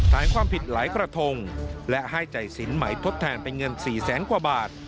ฐานความผิดหลายกระทงและให้จ่ายสินใหม่ทดแทนเป็นเงิน๔แสนกว่าบาท